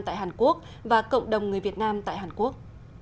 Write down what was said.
tại hàn quốc và cộng đồng người việt nam tại hàn quốc